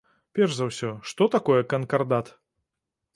Перш за ўсё, што такое канкардат?